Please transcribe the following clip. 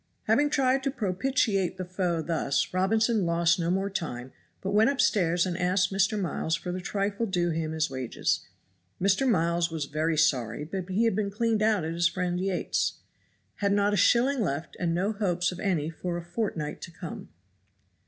Having tried to propitiate the foe thus, Robinson lost no more time, but went upstairs and asked Mr. Miles for the trifle due to him as wages. Mr. Miles was very sorry, but he had been cleaned out at his friend Yates's had not a shilling left and no hopes of any for a fortnight to come.